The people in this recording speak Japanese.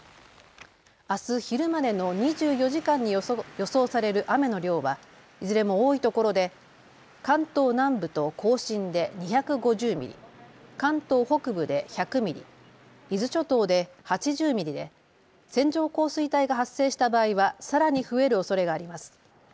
あす昼までの２４時間に予想される雨の量はいずれも多いところで関東南部と甲信で２５０ミリ、関東北部で１００ミリ、伊豆諸島で８０ミリで線状降水帯が発生した場合はさらに増えるおそれがあります。